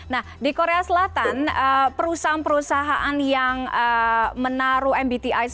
nah di korea selatan perusahaan perusahaan yang menaruh mbti